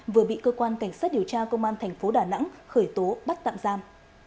vừa bị cơ quan cảnh sát điều tra công an tp đà nẵng khởi tố bắt tạm giam